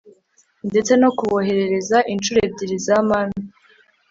ndetse no kuboherereza incuro ebyiri za manu